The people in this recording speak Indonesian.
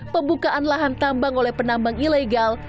pembukaan lahan tambang oleh penambang ilegal